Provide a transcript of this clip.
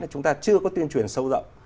chúng ta chưa có tuyên truyền sâu rộng